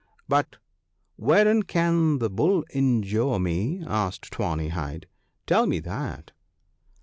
' But wherein can the Bull injure me ?' asked Tawny hide ;* tell me that